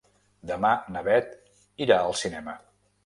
Demà na Beth irà al cinema.